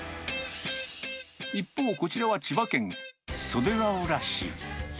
一方、こちらは千葉県袖ヶ浦市。